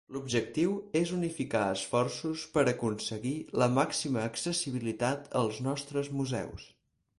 L'objectiu és unificar esforços per aconseguir la màxima accessibilitat als nostres museus.